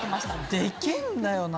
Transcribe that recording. でけぇんだよな。